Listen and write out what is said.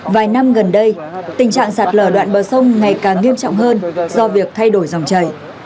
vài năm gần đây tình trạng sạt lở đoạn bờ sông ngày càng nghiêm trọng hơn do việc thay đổi dòng chảy